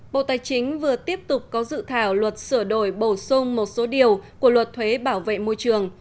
bộ tài chính vừa tiếp tục có dự thảo luật sửa đổi bổ sung một số điều của luật thuế bảo vệ môi trường